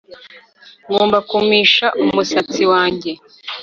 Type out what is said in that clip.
Ngomba kumisha umusatsi wanjye